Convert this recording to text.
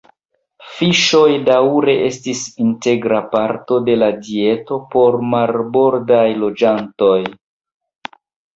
Fiŝoj daŭre estis integra parto de la dieto por marbordaj loĝantoj.